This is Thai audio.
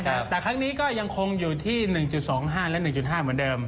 แต่ครั้งนี้ก็ยังคงอยู่ที่๑๒๕และ๑๕เหมือนเดิม